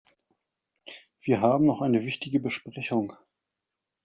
Wir haben noch eine wichtige Besprechung.